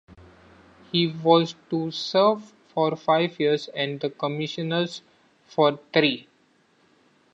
He was to serve for five years and the Commissioners for three.